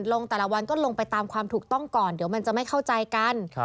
ลงแต่ละวันก็ลงไปตามความถูกต้องก่อนเดี๋ยวมันจะไม่เข้าใจกัน